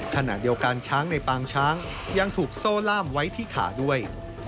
ขณะเดียวกันช้างในปางช้างยังถูกโซ่ล่ามไว้ที่ขาด้วย